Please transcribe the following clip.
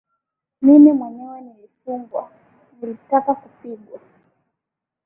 mimi mwenyewe nilifugwa nilitaka kupigwa